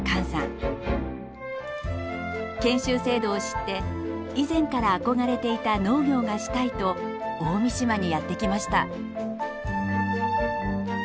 研修制度を知って以前から憧れていた農業がしたいと大三島にやって来ました。